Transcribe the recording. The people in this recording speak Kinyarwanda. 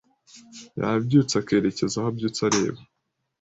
yabyutse akerekeza aho abyutse areba